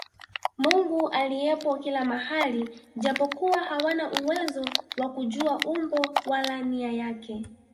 Mungu aliyepo kila mahali japokuwa hawana uwezo wa kujua umbo wala nia yake